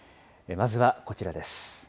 まずはこちらです。